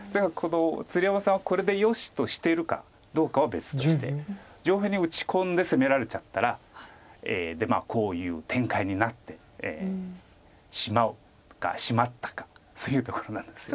鶴山さんはこれでよしとしてるかどうかは別として上辺に打ち込んで攻められちゃったらこういう展開になってしまうかしまったかそういうところなんですよね。